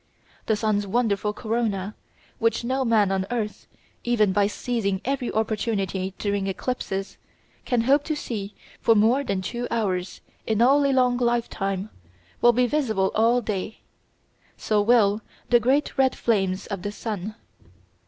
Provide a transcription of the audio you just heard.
The sun's wonderful corona, which no man on earth, even by seizing every opportunity during eclipses, can hope to see for more than two hours in all in a long lifetime, will be visible all day. So will the great red flames of the sun.